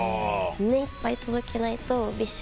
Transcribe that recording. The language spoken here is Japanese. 目いっぱい届けないとＢｉＳＨ